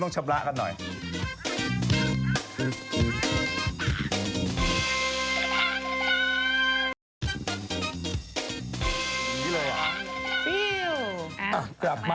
อ่ะกลับมาก่อนครับ